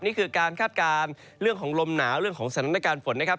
นี่คือการคาดการณ์เรื่องของลมหนาวเรื่องของสถานการณ์ฝนนะครับ